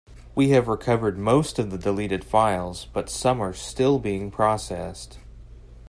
We have recovered most of the deleted files, but some are still being processed.